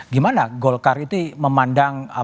gimana gold card itu memandangkan